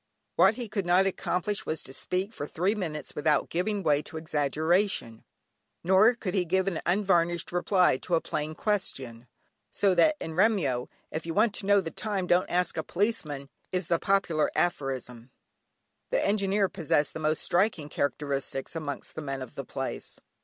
What he could not accomplish was to speak for three minutes without giving way to exaggeration; nor could he give an unvarnished reply to a plain question, so that in Remyo "if you want to know the time don't ask a policeman" is the popular aphorism. The Engineer possessed the most striking characteristics amongst the men of the place.